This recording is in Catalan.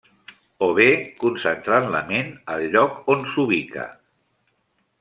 O bé, concentrant la ment al lloc on s'ubica.